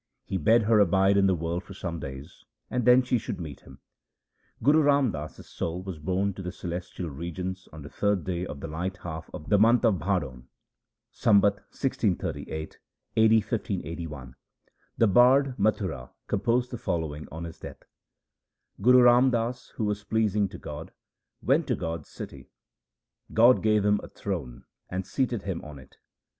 He bade her abide in the world for some days, and then she should meet him. Guru Ram Das's soul was borne to the celestial regions on the third day of the light half of the month of Bhadon, Sambat 1638 (a. d. 1581). The bard Mathura composed the following on his death :— Guru Ram Das who was pleasing to God, went to God's city ; God gave him a throne and seated him on it.